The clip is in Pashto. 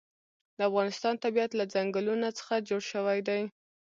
د افغانستان طبیعت له ځنګلونه څخه جوړ شوی دی.